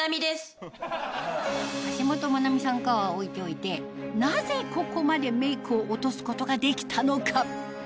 橋本マナミさんかは置いておいてなぜここまでメイクを落とすことができたのか？